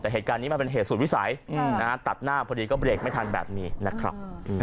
แต่เหตุการณ์นี้มันเป็นเหตุสูตรวิสัยตัดหน้าพอดีก็เบรกไม่ทันแบบนี้นะครับ